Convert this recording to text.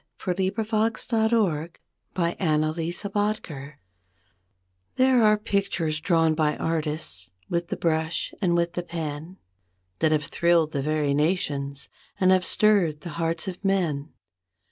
20 REVERIE (On reading "The Old Wash Place'') There are pictures drawn by artists, with the brush and with the pen, That have thrilled the very nations, and have stirred the hearts of men.